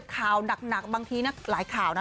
ข่าวหนักบางทีหลายข่าวนะ